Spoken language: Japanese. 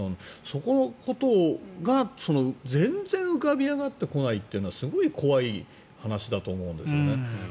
そのことが全然浮かび上がってこないというのはすごい怖い話だと思うんですよね。